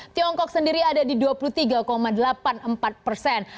tiongkok sendiri ada di dua puluh tiga delapan puluh empat persen